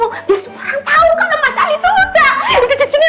biar semua orang tau kan mas ali tuh udah